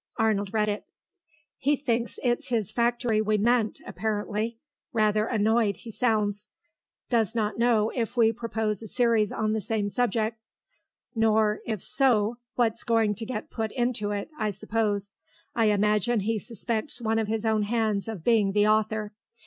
Arnold read it. "He thinks it's his factory we meant, apparently. Rather annoyed, he sounds. 'Does not know if we purpose a series on the same subject' nor if so what's going to get put into it, I suppose. I imagine he suspects one of his own hands of being the author.